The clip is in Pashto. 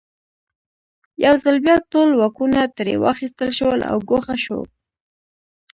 یو ځل بیا ټول واکونه ترې واخیستل شول او ګوښه شو.